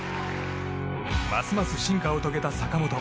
ますます進化を遂げた坂本。